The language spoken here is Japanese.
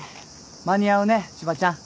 間に合うね千葉ちゃん。